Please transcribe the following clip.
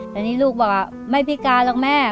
แต่ลูกก็บอกว่าไม่พิการแหละแม่